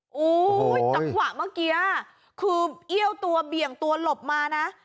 โอ้โหได้รับความฟักเมื่อกี้อ่ะคือเย้าตัวเบี่ยงตัวหลบมานะ